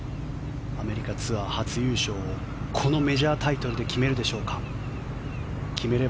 アメリカツアー初優勝をこのメジャータイトルで決めるでしょうか。